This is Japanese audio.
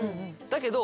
だけど。